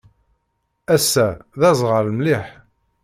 Ass-a, d aẓɣal mliḥ.